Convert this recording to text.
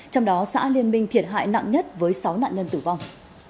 trong đó xã liên minh thiệt hại nặng nhất với sáu nạn nhân tử vong